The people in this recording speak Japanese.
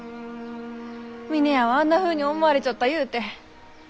峰屋はあんなふうに思われちょったゆうて。